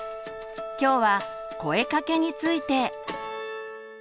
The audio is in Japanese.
今日は「声かけ」について。